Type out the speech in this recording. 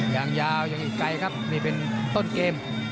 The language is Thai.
ยาวยังอีกไกลครับนี่เป็นต้นเกม